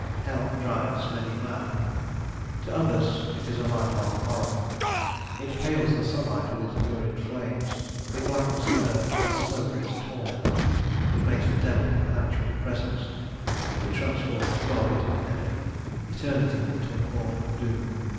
Hell drives many mad: to others it is a life long horror. It pales the sunlight with its lurid flames; it blackens the earth with the smoke of its torment; it makes the Devil an actual presence; it transforms God into an enemy, eternity into an awful doom.